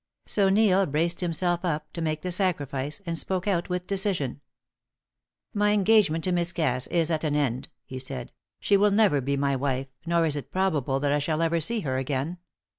So Neil braced himself up to make the sacrifice, and spoke out with decision: "My engagement to Miss Cass is at an end," he said. "She will never be my wife, nor is it probable that I shall ever see her again.